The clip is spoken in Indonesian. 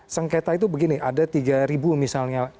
sengketa itu begini ada tiga ribu misalnya